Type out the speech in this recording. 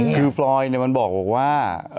คือฟรอยมันบอกว่า